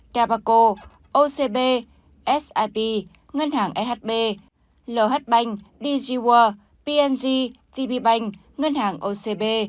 tabaco ocb sip ngân hàng shb lh banh dg world png tb banh ngân hàng ocb